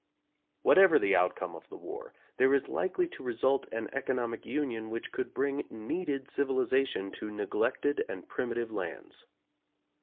Whatever the outcome of the war, there is likely to result an economic union which could bring needed civilization to neglected and primitive lands.